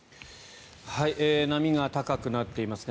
波が高くなっていますね